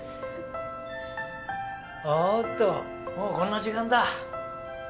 おっともうこんな時間だ。